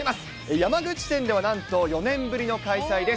山口県ではなんと４年ぶりの開催です。